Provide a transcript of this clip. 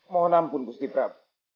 mohon ampun gusti pramu